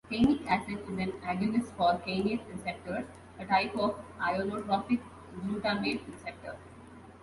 Kainic acid is an agonist for kainate receptors, a type of ionotropic glutamate receptor.